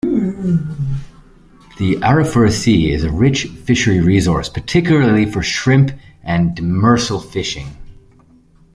The Arafura Sea is a rich fishery resource, particularly for shrimp and demersal fishing.